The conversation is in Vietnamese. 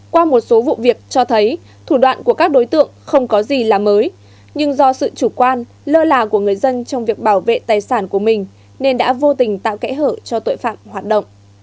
qua một số vụ việc cho thấy thủ đoạn của các đối tượng không có gì là mới nhưng do sự chủ quan lơ là của người dân trong việc bảo vệ tài sản của mình nên đã vô tình tạo kẽ hở cho tội phạm hoạt động